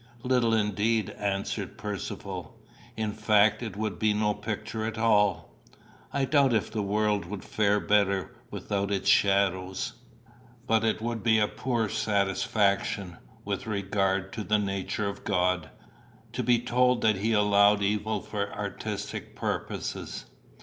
"Little indeed," answered Percivale. "In fact, it would be no picture at all." "I doubt if the world would fare better without its shadows." "But it would be a poor satisfaction, with regard to the nature of God, to be told that he allowed evil for artistic purposes."